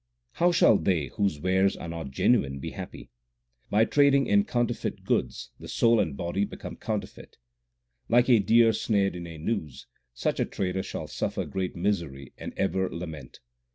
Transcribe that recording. How shall they whose wares are not genuine, be happy ? By trading in counterfeit goods the soul and body become counterfeit. Like a deer snared in a noose, such a trader shall suffer great misery and ever lament.